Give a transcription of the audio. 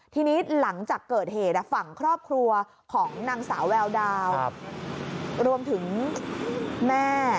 ทีนี้หลังจากเกิดเหตุฝั่งครอบครัวของนางสาวแววดาเอา